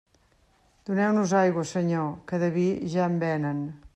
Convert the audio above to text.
Doneu-nos aigua, Senyor, que de vi ja en venen.